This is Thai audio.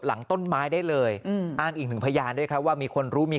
หลังต้นไม้ได้เลยอืมอ้างอีกหนึ่งพยานด้วยครับว่ามีคนรู้มี